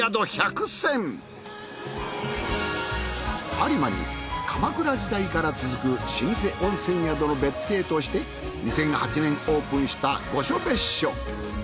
有馬に鎌倉時代から続く老舗温泉宿の別邸として２００８年オープンした御所別墅。